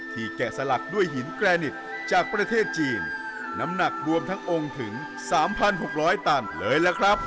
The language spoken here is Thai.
แกะสลักด้วยหินแกรนิกจากประเทศจีนน้ำหนักรวมทั้งองค์ถึง๓๖๐๐ตันเลยล่ะครับ